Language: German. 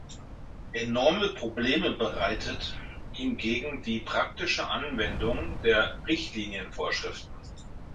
Enorme Probleme bereitet hingegen die praktische Anwendung der Richtlinienvorschriften.